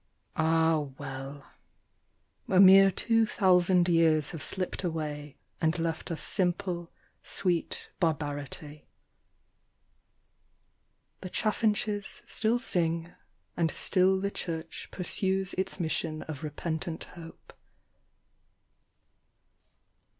Ah well ! A mere two thousand years have slipped away And left us simple, sweet Barbarity. The chaffinches still sing, and still the Church Pursues its mission of Repentant Hope.